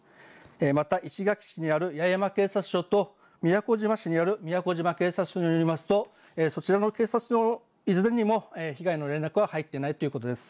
また石垣市にある八重山警察署と宮古島市にある宮古島警察署によりますといずれの警察署にも被害の情報は入っていないということです。